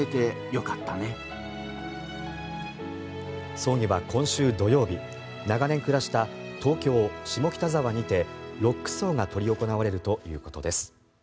葬儀は今週土曜日長年暮らした東京・下北沢にてロック葬が執り行われるということです。